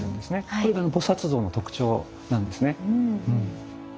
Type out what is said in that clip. これが菩像の特徴なんですね。